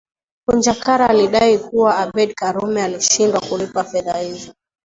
Punja Kara alidai kuwa Abeid Karume alishindwa kulipa fedha hizo